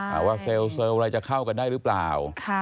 ว่าเซลล์อะไรจะเข้ากันได้หรือเปล่า